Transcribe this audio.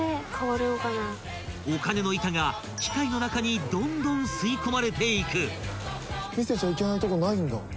［お金の板が機械の中にどんどん吸い込まれていく］